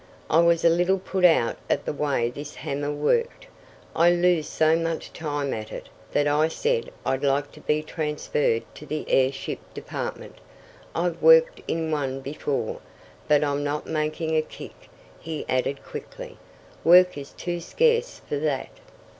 "I was a little put out at the way this hammer worked. I lose so much time at it that I said I'd like to be transferred to the airship department. I've worked in one before. But I'm not making a kick," he added quickly. "Work is too scarce for that."